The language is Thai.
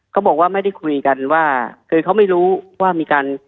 เขาบอกว่าไม่ได้คุยกันว่าคือเขาไม่รู้ว่ามีการ